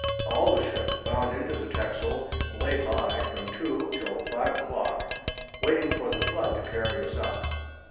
All the Ships bound into the Texel lay by from 2 till 5 a Clock, waiting for the Flood to carry us up.